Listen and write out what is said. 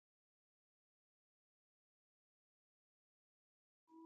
دا سندونه باید د اصولو سره سمون ولري.